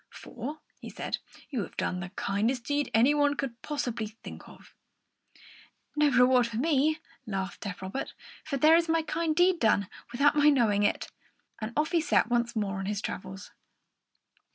"For," he said, "you have done the kindest deed any one could possibly think of." "No reward for me!" laughed deaf Robert; "for there is my kind deed done without my knowing it!" And off he set once more on his travels.